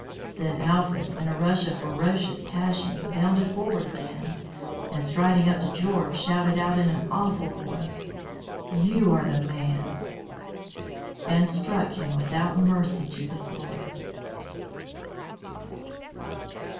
Then Alfred, in a rush of ferocious passion, bounded forward again, and striding up to George, shouted out in an awful voice, "You are the man!" and struck him without mercy to the floor.